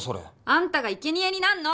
あんたがいけにえになんの！